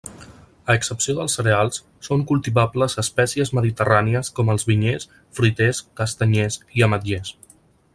A excepció dels cereals, són cultivables espècies mediterrànies com els vinyers, fruiters, castanyers i ametllers.